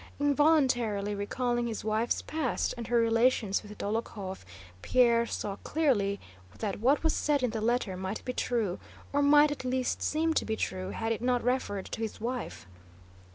Involuntarily recalling his wife's past and her relations with Dólokhov, Pierre saw clearly that what was said in the letter might be true, or might at least seem to be true had it not referred to his wife.